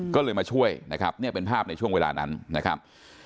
ก็เลยมาช่วยนะครับเนี่ยเป็นภาพในช่วงเวลานั้นนะครับ